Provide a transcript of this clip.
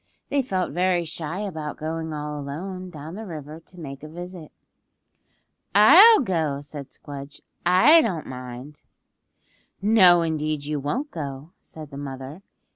They felt very shy about going all alone down the river to make a visit. "I'll go," said Squdge. "I don't mind." "No indeed you won't go," said the mother.